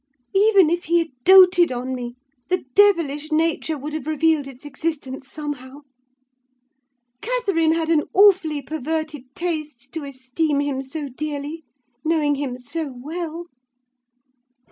Even if he had doted on me, the devilish nature would have revealed its existence somehow. Catherine had an awfully perverted taste to esteem him so dearly, knowing him so well.